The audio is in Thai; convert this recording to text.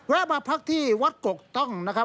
มาพักที่วัดกกต้องนะครับ